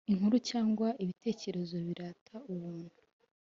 inkuru cyangwa ibitekerezo birata ubuntu